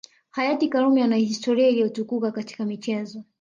Hayati Karume ana historia iliyotukuka katika michezo